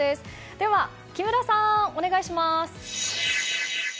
では木村さん、お願いします。